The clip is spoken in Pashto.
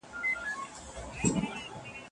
آيا اقليم د انسان په اخلاقو اغېز لري؟